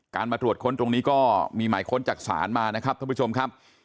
มาตรวจค้นตรงนี้ก็มีหมายค้นจากศาลมานะครับท่านผู้ชมครับ